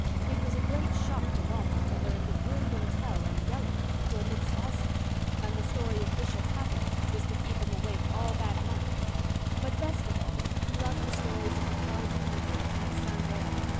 It was a great shock to Walter to learn that William Tell and Gelert were myths also; and the story of Bishop Hatto was to keep him awake all that night; but best of all he loved the stories of the Pied Piper and the San Greal.